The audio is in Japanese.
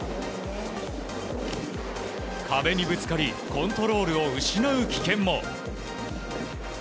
壁にぶつかり、コントロールを失う危険も。